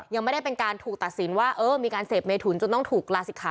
ยังไม่ได้เป็นการถูกตัดสินว่าเออมีการเสพเมถุนจนต้องถูกลาศิกขา